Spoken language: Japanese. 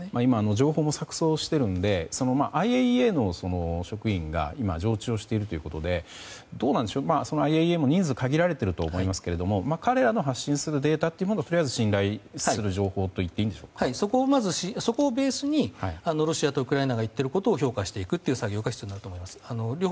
情報も錯綜しているのでＩＡＥＡの職員が今、常駐しているということでＩＡＥＡも人数限られていると思いますけども彼らの発信するデータをとりあえず信頼する情報とそこをベースにロシアとウクライナが言ってることを評価していくという作業が必要になると思います。